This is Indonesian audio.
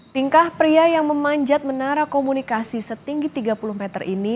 tingkah pria yang memanjat menara komunikasi setinggi tiga puluh meter ini